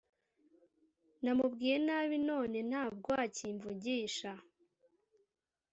namubwiye nabi none ntabwo akimvugisha